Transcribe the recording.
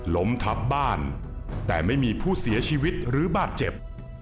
ล้มทับบ้านแต่ไม่มีผู้เสียชีวิตหรือบาดเจ็บ